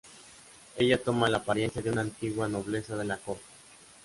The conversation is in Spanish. Ella toma la apariencia de una antigua nobleza de la corte.